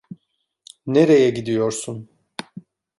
Nereye gidiyorsun?